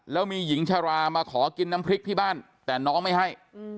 แล้วมีหญิงชรามาขอกินน้ำพริกที่บ้านแต่น้องไม่ให้